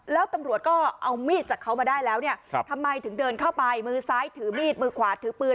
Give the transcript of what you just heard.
แล้วตำรวจก็เอามีดจากเขามาได้แล้วเนี่ยทำไมถึงเดินเข้าไปมือซ้ายถือมีดมือขวาถือปืน